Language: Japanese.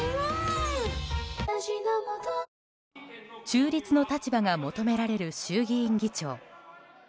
中立の立場が求められる衆議院議長。